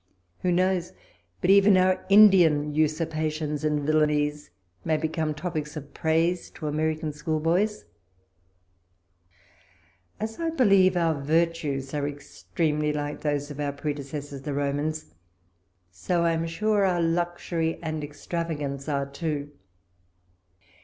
Who knows but even our Indian usurpations and villanies may become topics of praise to Ameri can schoolboys I As I believe our virtues are extremely like those of our predecessors the Romans, so I am sure our luxury and extrava gance are too.